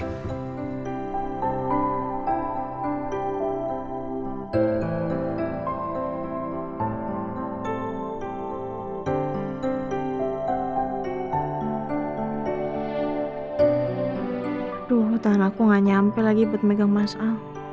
aduh tahan aku gak nyampe lagi buat megang mas al